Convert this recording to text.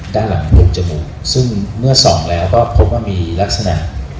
ด้านหลังกระดูกจมูกซึ่งเมื่อส่องแล้วก็พบว่ามีลักษณะ